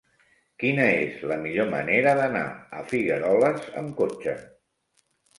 Quina és la millor manera d'anar a Figueroles amb cotxe?